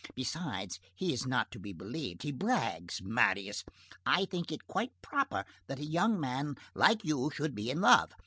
Besides, he is not to be believed. He brags, Marius! I think it quite proper that a young man like you should be in love.